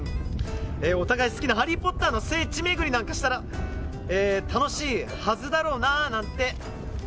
お互い好きな「ハリー・ポッター」の聖地巡りなんかしたら楽しいはずだろうな、なんて。